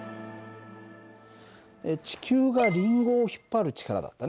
地球がリンゴを引っ張る力だったねこれは。